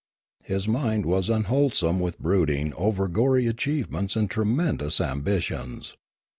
Hi§ mind was unwholesome with brooding over gory achievements and tremendous ambitions.